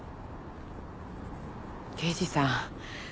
刑事さん